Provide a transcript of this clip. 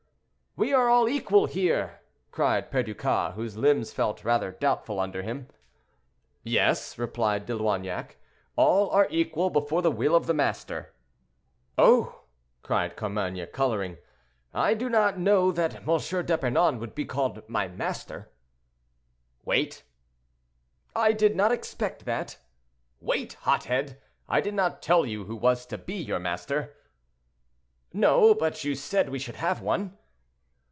"We are all equal here," cried Perducas, whose limbs felt rather doubtful under him. "Yes," replied De Loignac; "all are equal before the will of the master." "Oh!" cried Carmainges, coloring; "I do not know that M. d'Epernon would be called my master." "Wait!" "I did not expect that." "Wait, hot head! I did not tell you who was to be your master." "No; but you said we should have one."